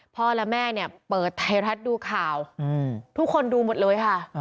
แม่และแม่เนี่ยเปิดไทยรัฐดูข่าวทุกคนดูหมดเลยค่ะ